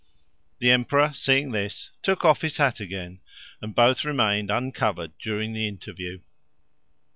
The emperor, seeing this, took off his hat again, and both remained uncovered during the interview.